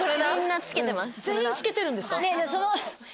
全員つけてるんですか？